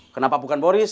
kenapa bukan boris